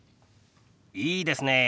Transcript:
いいですねえ。